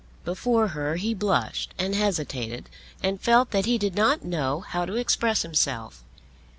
Before her he blushed and hesitated and felt that he did not know how to express himself.